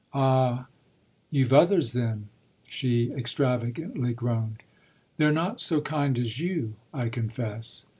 "Ah you've others then?" she extravagantly groaned. "They're not so kind as you, I confess."